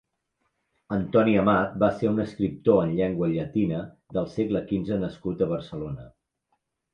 Antoni Amat va ser un escriptor en llengua llatina del segle quinze nascut a Barcelona.